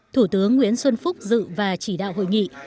thủ tướng nguyễn xuân phúc dự và chỉ đạo hội nghị